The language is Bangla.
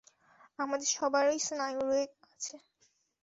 আমাদের সবারই স্নায়ু আছে।